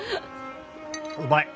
うまい。